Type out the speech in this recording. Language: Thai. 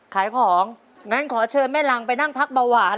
อย่างนั้นขอเชิญแม่หลังไปนั่งพักเบาหวาร